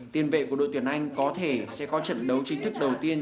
tiền vệ của đội tuyển anh có thể sẽ có trận đấu chính thức đầu tiên